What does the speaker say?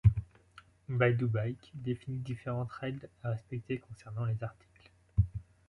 Baidu Baike définit différentes règles à respecter concernant les articles.